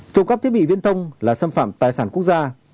trộm cắp thiết bị viễn thông là xâm phạm tài sản quốc gia